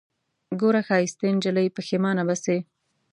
ګوره ښايستې نجلۍ پښېمانه به سې